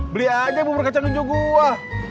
beli aja bubur kacang ujung gue